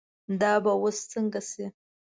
دا به اوس څنګه شي.